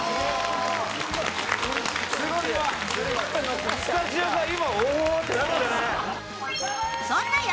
すごい今！